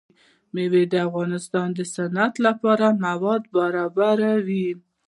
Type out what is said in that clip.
مېوې د افغانستان د صنعت لپاره مواد برابروي.